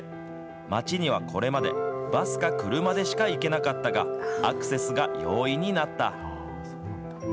町にはこれまで、バスか車でしか行けなかったが、アクセスが容易になった。